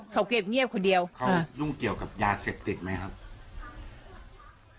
เขาเก็บเงียบคนเดียวเขายุ่งเกี่ยวกับยาเสพติดไหมครับ